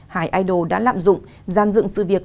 hải idol đã lạm dụng giàn dựng sự việc